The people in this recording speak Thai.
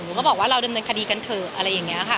หนูก็บอกว่าเราดำเนินคดีกันเถอะ